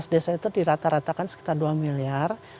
enam belas desa itu dirata ratakan sekitar dua miliar